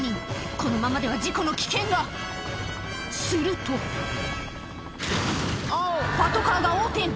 このままでは事故の危険がするとパトカーが横転！